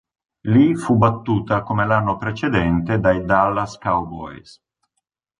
Lì fu battuta come l'anno precedente dai Dallas Cowboys.